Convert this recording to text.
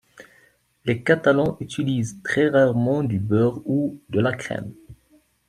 Les Catalans utilisent très rarement du beurre ou de la crème.